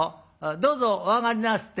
どうぞお上がりなさって」。